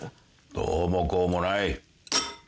どうもこうもない。